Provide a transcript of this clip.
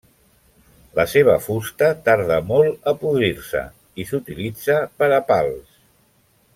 La seva fusta tarda molt a podrir-se i s'utilitza per a pals.